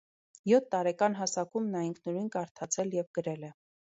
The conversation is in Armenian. Յոթ տարեկան հասակում նա ինքնուրույն կարդացել և գրել է։